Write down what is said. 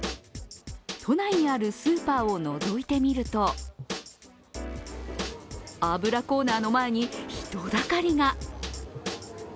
都内にあるスーパーをのぞいてみると油コーナーの前に人だかりが。